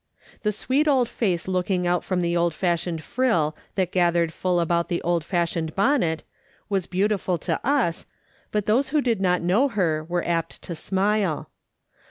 The sweet old face looking out from the old fashoned frill that gathered full about the old fashioned bonnet, was beautiful to us, but those who did not know her were apt to smile.